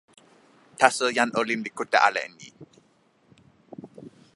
taso, jan olin li kute ala e ni.